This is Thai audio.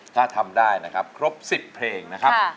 ถ้าทำได้นะครับครบ๑๐เพลงนะครับ